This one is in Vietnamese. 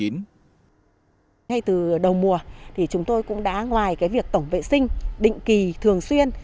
ngay từ đầu mùa thì chúng tôi cũng đã ngoài việc tổng vệ sinh định kỳ thường xuyên